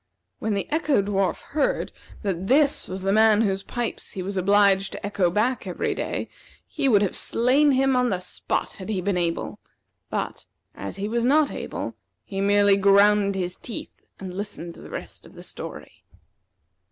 When the Echo dwarf heard that this was the man whose pipes he was obliged to echo back every day, he would have slain him on the spot had he been able; but, as he was not able, he merely ground his teeth and listened to the rest of the story.